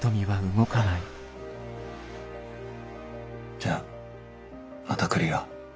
じゃあまた来るよ。